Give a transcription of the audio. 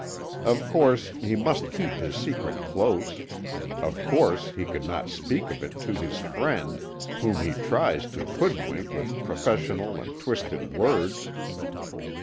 Of course he must keep his secret close of course he could not speak of it to his friend, whom he tries to hoodwink with professions and twisted words!